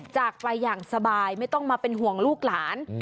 จากไปอย่างสบายไม่ต้องมาเป็นห่วงลูกหลาน